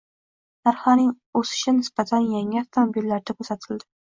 Narxlarning o‘sishi nisbatan yangi avtomobillarda kuzatildi